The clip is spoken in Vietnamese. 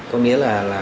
có nghĩa là